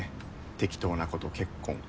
適当な子と結婚。